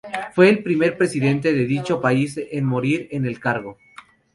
Fue el primer presidente de dicho país en morir en el cargo.